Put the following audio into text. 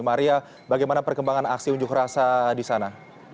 maria bagaimana perkembangan aksi unjuk rasa di sana